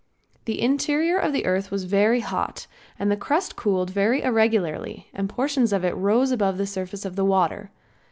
The interior of the earth was very hot and the crust cooled very irregularly and portions of it rose above the surface of the water.